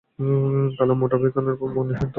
কালো মোটা বইখানার উপর মনে মনে অত্যন্ত চটিয়া গেল।